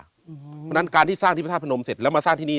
เพราะฉะนั้นการที่สร้างที่พระธาตุพนมเสร็จแล้วมาสร้างที่นี่